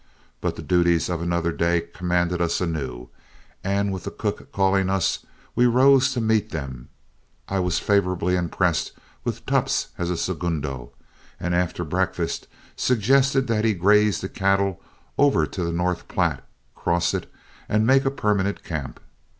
But the duties of another day commanded us anew, and with the cook calling us, we rose to meet them. I was favorably impressed with Tupps as a segundo, and after breakfast suggested that he graze the cattle over to the North Platte, cross it, and make a permanent camp.